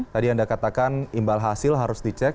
tadi anda katakan imbal hasil harus dicek